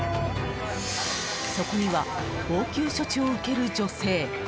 そこには応急処置を受ける女性。